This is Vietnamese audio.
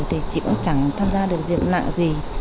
thì chị cũng chẳng tham gia được việc nặng gì